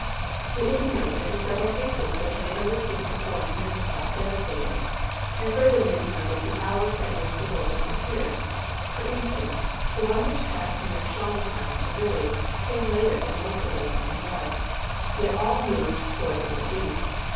It will be noticed that in several cases the tornado was seen to form near the spot devastated; and further may be noted the hours at which the whirlwinds appeared. For instance, the one which passed near Shawneetown, Missouri, came later than most of those in Illinois; yet all moved toward the northeast.